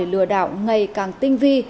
lừa đảo ngày càng tinh vi